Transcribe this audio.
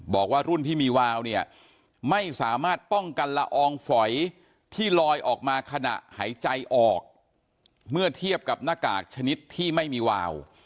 บอกว่ารุ่นที่มีวาวเนี่ยไม่สามารถป้องกันละอองฝอยที่ลอยออกมาขณะหายใจออกเมื่อเทียบกับหน้ากากชนิดที่ไม่มีวาว